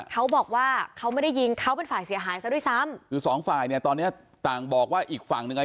เขาบอกว่าเขาไม่ได้ยิงเขาเป็นฝ่ายเสียหายซะด้วยซ้ำคือสองฝ่ายเนี้ยตอนเนี้ยต่างบอกว่าอีกฝั่งหนึ่งอ่ะ